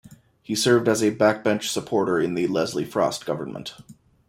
He served as a backbench supporter in the Leslie Frost Government.